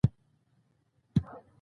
نیم اودس مات تور یې پر غاړه واخیست.